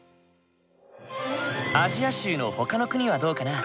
アジア州のほかの国はどうかな？